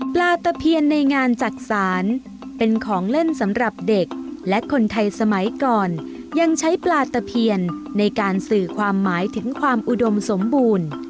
ปลาตะเพียนในงานจักษานเป็นของเล่นสำหรับเด็กและคนไทยสมัยก่อนยังใช้ปลาตะเพียนในการสื่อความหมายถึงความอุดมสมบูรณ์